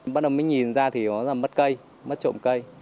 bắt đầu mình nhìn ra thì nói là mất cây mất trộm cây